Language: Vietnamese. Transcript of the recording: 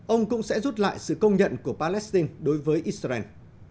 ông cũng sẽ rút lại sự công nhận của palestine đối với israel